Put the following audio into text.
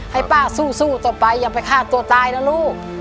ให้ป้าสู้ต่อไปอย่าไปฆ่าตัวตายนะลูก